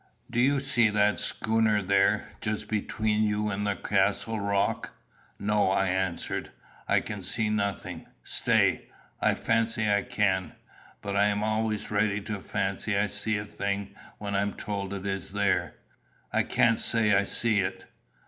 "Do you see that schooner there, just between you and the Castle rock?" "No," I answered; "I can see nothing. Stay. I fancy I can. But I am always ready to fancy I see a thing when I am told it is there. I can't say I see it."